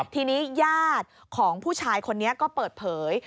ทีนี้ญาติของผู้ชายคนนี้ก็เปิดเผย